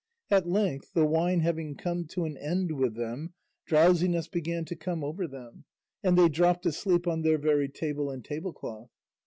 At length, the wine having come to an end with them, drowsiness began to come over them, and they dropped asleep on their very table and tablecloth.